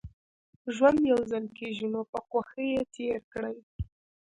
ژوند يوځل کېږي نو په خوښۍ يې تېر کړئ